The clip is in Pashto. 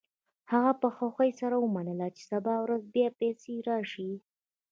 هغه په خوښۍ سره ومنله چې سبا ورځ بیا پسې راشي